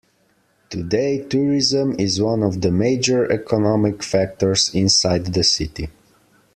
Today, tourism is one of the major economic factors inside the city.